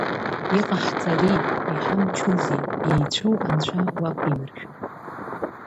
Иҟаҳҵари, иҳамчузеи, еицәоу анцәа уақәимыршәан!